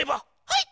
はい！